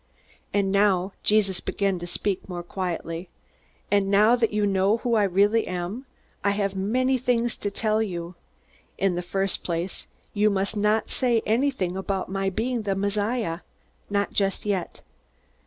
"And now" Jesus began to speak more quietly "and now that you know who I really am, I have many things to tell you. In the first place, you must not say anything about my being the Messiah not just yet.